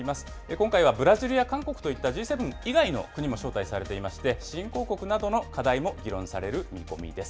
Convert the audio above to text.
今回はブラジルや韓国といったＧ７以外の国も招待されていまして、新興国などの課題も議論される見込みです。